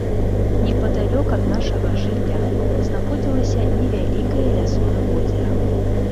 Непадалёк ад нашага жылля знаходзілася невялікае лясное возера.